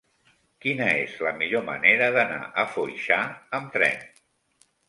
Quina és la millor manera d'anar a Foixà amb tren?